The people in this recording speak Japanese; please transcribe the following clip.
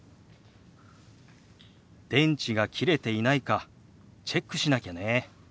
電池が切れていないかチェックしなきゃね。